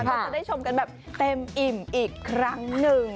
จะชมกันแบบเต็มอิ่มอีกครั้งนึง